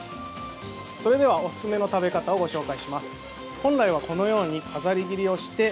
それでは、おすすめの食べ方をご紹介します。